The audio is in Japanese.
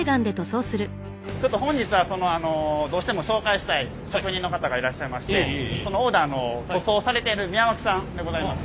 ちょっと本日はどうしても紹介したい職人の方がいらっしゃいましてそのオーダーの塗装をされている宮脇さんでございます。